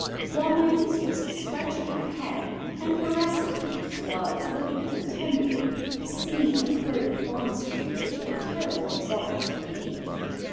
While my mistress was scratching my head and caressing me and while I was looking at her tenderly a scene occurred in Bond Street which had terrible results for me.